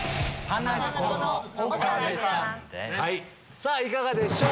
さぁいかがでしょう？